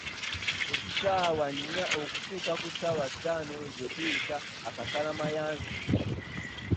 Essaawa nnya okutuuka ku ttaano ze tuyita "akalasa mayanzi" .